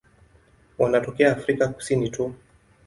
Wanatokea Afrika Kusini tu.